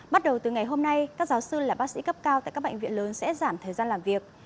bắt đầu từ ngày hôm nay các giáo sư là bác sĩ cấp cao tại các bệnh viện lớn sẽ giảm thời gian làm việc